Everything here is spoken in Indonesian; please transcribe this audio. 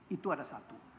itu ada satu